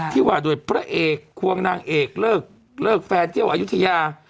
ว่าโดยพระเอกควงนางเอกเลิกแฟนเที่ยวอายุทยา